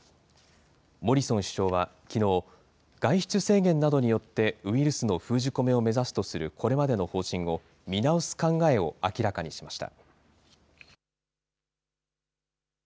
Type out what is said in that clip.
モリソン首相はきのう、外出制限などによってウイルスの封じ込めを目指すとするこれまでの方針を、見直す考えを明らかにしました。